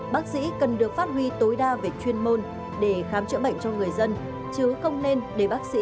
bác sĩ cần được phát huy tối đa về chuyên môn để khám chữa bệnh cho người dân chứ không nên để bác sĩ